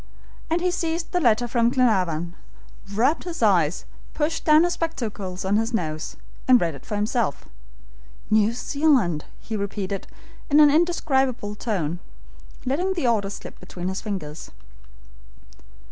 And he seized the letter from Glenarvan, rubbed his eyes, pushed down his spectacles on his nose, and read it for himself. "New Zealand!" he repeated in an indescribable tone, letting the order slip between his fingers.